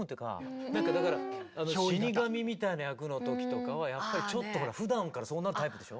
なんかだから死神みたいな役の時とかはやっぱりちょっとふだんからそうなるタイプでしょ？